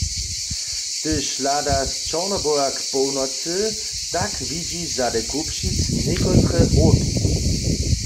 Hdyž hladaš z Čornoboha k połnocy, tak widźiš zady Kubšic někotre hórki.